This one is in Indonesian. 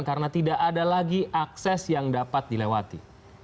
karena tidak ada lagi akses yang dapat dilewati